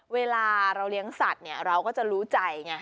เวลาเราเลี้ยงสัตว์เนี่ยเราก็จะรู้ใจไง